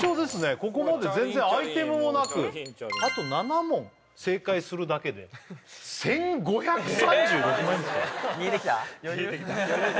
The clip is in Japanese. ここまで全然アイテムもなくあと７問正解するだけで１５３６万円ですよ見えてきた？